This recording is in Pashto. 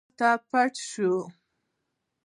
هله پټ شه.